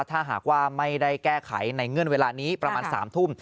ถ้าหากว่าไม่ได้แก้ไขในเงื่อนเวลานี้ประมาณ๓ทุ่ม